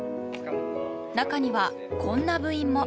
中には、こんな部員も。